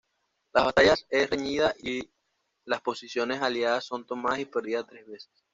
La batalla es reñida y las posiciones aliadas son tomadas y perdidas tres veces.